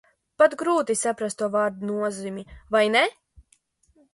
Pat grūti saprast to vārdu nozīmi, vai ne?